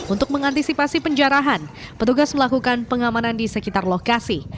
untuk mengantisipasi penjarahan petugas melakukan pengamanan di sekitar lokasi